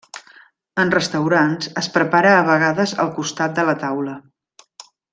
En restaurants, es prepara a vegades al costat de la taula.